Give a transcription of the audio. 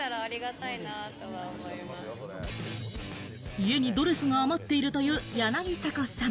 家にドレスが余っているという柳迫さん。